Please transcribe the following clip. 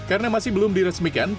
karena masih belum diresmikan